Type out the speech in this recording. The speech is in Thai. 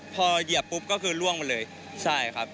พอเหยียบปุ๊บก็คือล่วงมาเลยใช่ครับ